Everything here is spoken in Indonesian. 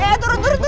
eh turun turun turun